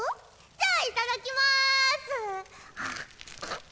じゃあいただきます。